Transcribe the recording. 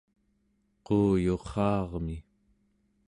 quuyurra'armi